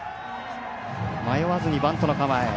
迷わずにバントの構え。